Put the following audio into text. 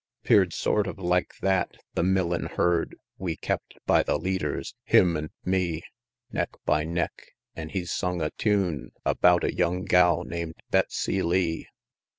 'Pear'd sort of like that the "millin'" herd We kept by the leaders HIM and me, Neck by neck, an' he sung a tune, About a young gal, nam'd Betsey Lee!